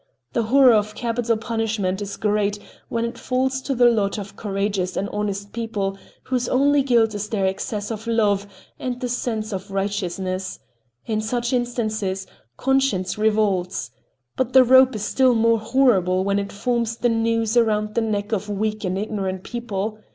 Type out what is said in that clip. The horror of capital punishment is great when it falls to the lot of courageous and honest people whose only guilt is their excess of love and the sense of righteousness—in such instances, conscience revolts. But the rope is still more horrible when it forms the noose around the necks of weak and ignorant people.